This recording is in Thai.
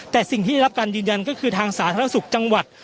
แต่สิ่งที่ได้รับการยืนยันก็คือทางสาธารณสุขจังหวัด